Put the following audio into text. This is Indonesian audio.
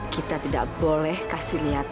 kita tidak boleh kasih lihat